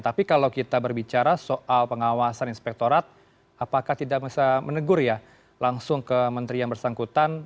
tapi kalau kita berbicara soal pengawasan inspektorat apakah tidak bisa menegur ya langsung ke menteri yang bersangkutan